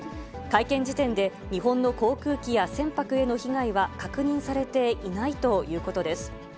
会見時点で、日本の航空機や船舶への被害は確認されていないということです。